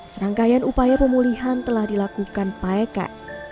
serangkaian upaya pemulihan telah dilakukan pak eka